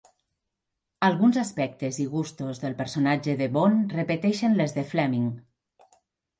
Alguns aspectes i gustos del personatge de Bond repeteixen les de Fleming.